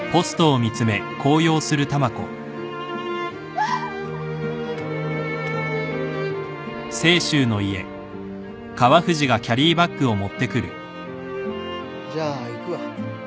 わあっ！じゃあ行くわ。